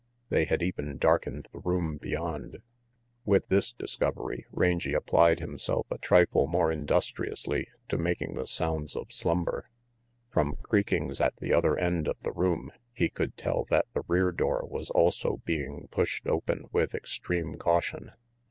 They had even darkened the room beyond. With this discovery Rangy applied himself a trifle more industriously to making the sounds of slumber. From creakings at the other end of the room he could tell that the rear door was also being pushed open with extreme caution.